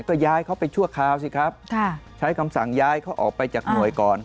ก็ย้ายเขาไปชั่วคราวสิครับใช้คำสั่งย้ายเขาออกไปจากหน่วยก่อน